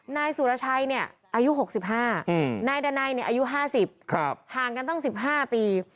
นายสุรชัยอายุ๖๕นายดันัยอายุ๕๐ห่างกันตั้ง๑๕ปี